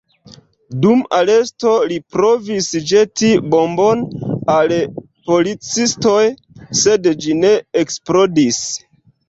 Dum aresto li provis ĵeti bombon al policistoj, sed ĝi ne eksplodis.